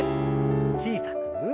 小さく。